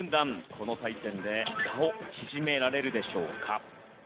この対戦で差を縮められるでしょうか？